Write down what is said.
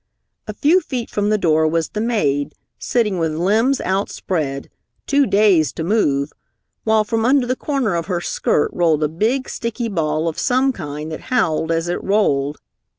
A few feet from the door was the maid, sitting with limbs outspread, too dazed to move, while from under the corner of her skirt rolled a big, sticky ball of some kind that howled as it rolled.